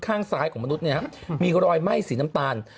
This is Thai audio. ข้างซ้ายของมนุษย์มีรอยไหม้สีน้ำตาล